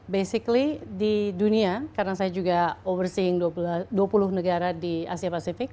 basically di dunia karena saya juga oversing dua puluh negara di asia pasifik